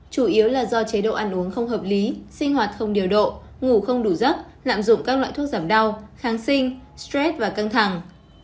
chủ yếu là do chế độ ăn uống không hợp lý sinh hoạt không điều độ ngủ không đủ giấc lạm dụng các loại thuốc giảm đau kháng sinh stress và căng thẳng